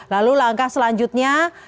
lalu langkah selanjutnya